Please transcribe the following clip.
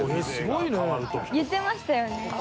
すごいね。